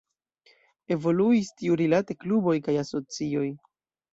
Evoluis tiurilate kluboj kaj asocioj.